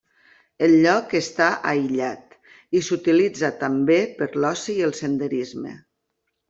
El lloc està aïllat i s'utilitza també per l'oci i el senderisme.